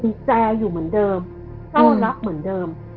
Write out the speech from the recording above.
จริงแจอยู่เหมือนเดิมเจ้ารักเหมือนเดิม